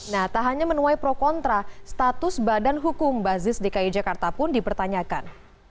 nah tak hanya menuai pro kontra status badan hukum basis dki jakarta pun dipertanyakan